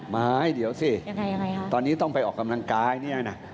ไม่เดี๋ยวสิตอนนี้ต้องไปออกกำลังกายเนี่ยนะ